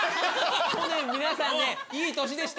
去年皆さんねいい年でした。